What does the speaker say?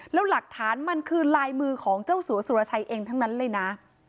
แล้วหลักฐานมันคือลายมือของเจ้าสัวสุรชัยเองทั้งนั้นเลยนะ